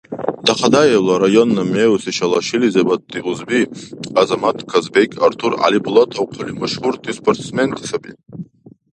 Дахадаевла районна Меусишала шилизибадти узби Азамат, Казбек, Артур ГӀялибулатовхъали машгьурти спортсменти саби.